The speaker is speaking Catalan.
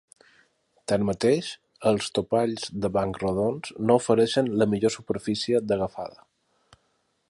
Tanmateix, els topalls de banc rodons no ofereixen la millor superfície d'agafada.